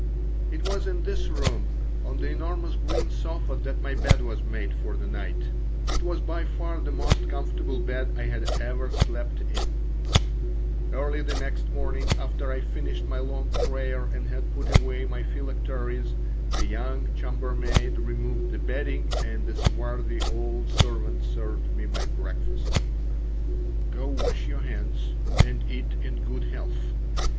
It was in this room, on the enormous green sofa, that my bed was made for the night. It was by far the most comfortable bed I had ever slept in Early the next morning, after I finished my long prayer and had put away my phylacteries, the young chambermaid removed the bedding and the swarthy old servant served me my breakfast "Go wash your hands and eat in good health.